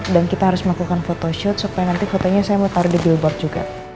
dan kita harus melakukan photoshoot supaya nanti fotonya saya mau taruh di billboard juga